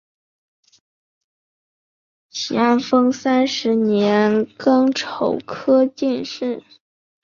咸丰三年癸丑科进士。